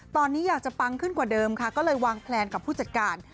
ตอนนี้อยากจะปังขึ้นกว่าเดิมค่ะก็เลยวางแพลนกับผู้จัดการ